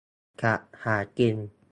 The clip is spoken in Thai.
สัตว์หากิน